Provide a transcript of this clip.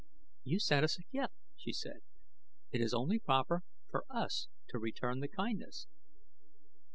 "You sent us a gift," she said. "It is only proper for us to return the kindness."